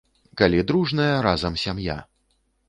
Калі дружная разам сям'я!